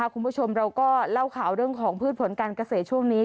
คุณผู้ชมเราก็เล่าข่าวเรื่องของพืชผลการเกษตรช่วงนี้